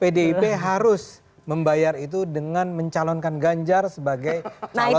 pdip harus membayar itu dengan mencalonkan ganjar sebagai calon